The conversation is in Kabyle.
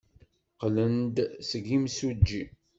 Qqlen-d seg yimsujji.